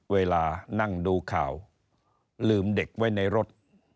เวลานั่งดูข่าวลืมเด็กไว้ในรถ